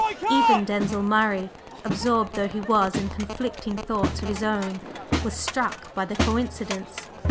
Even Denzil Murray, absorbed though he was in conflicting thoughts of his own, was struck by the coincidence.